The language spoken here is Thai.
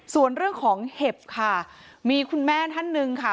ส่วนเรื่องของเห็บค่ะมีคุณแม่ท่านหนึ่งค่ะ